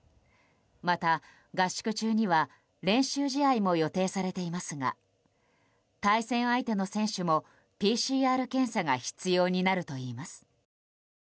また、合宿中には練習試合も予定されていますが対戦相手の選手もＰＣＲ検査が必要になるといいます。